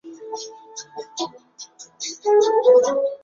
包括和硕特汗国。